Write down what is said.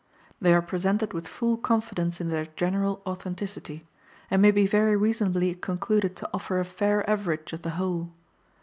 They are presented with full confidence in their general authenticity, and may be very reasonably concluded to offer a fair average of the whole.